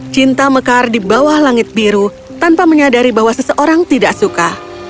cinta mekar di bawah langit biru tanpa menyadari bahwa seseorang tidak suka